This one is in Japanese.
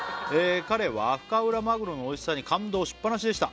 「彼は深浦マグロのおいしさに感動しっぱなしでした」